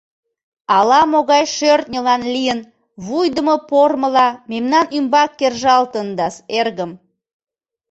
Ала-могай шӧртньылан лийын, вуйдымо пормыла мемнан ӱмбак кержалтындас, эргым.